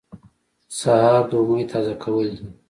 سهار د امید تازه کول دي.